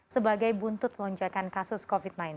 sebagai buntut lonjakan kasus covid sembilan belas